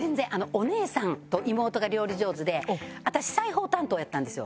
お姉さんと妹が料理上手で私裁縫担当やったんですよ。